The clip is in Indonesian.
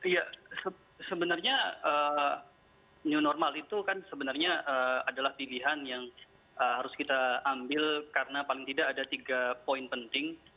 ya sebenarnya new normal itu kan sebenarnya adalah pilihan yang harus kita ambil karena paling tidak ada tiga poin penting